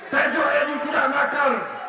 tejo edy tidak makar